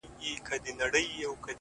دلته ولور گټمه،